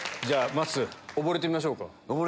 まっすー溺れてみましょうか。